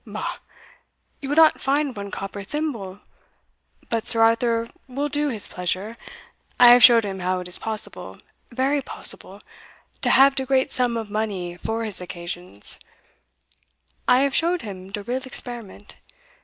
"Bah! you will not find one copper thimble But Sir Arthur will do his pleasure. I have showed him how it is possible very possible to have de great sum of money for his occasions I have showed him de real experiment.